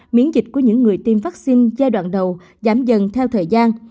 miễn dịch của những người tiêm vaccine giai đoạn đầu giảm dần theo thời gian